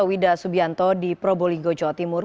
wida subianto di probolinggo jawa timur